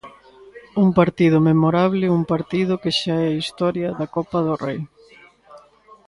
Un partido memorable, un partido que xa é historia da Copa do Rei.